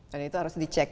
dan itu harus dicek